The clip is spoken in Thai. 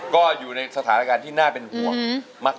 ก็อยู่ในสถานการณ์ที่น่าเป็นห่วงมาก